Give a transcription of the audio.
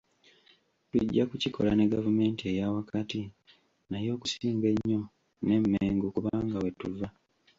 Tujja kukikola ne gavumenti eyawakati naye okusinga ennyo ne Mmengo kubanga wetuva.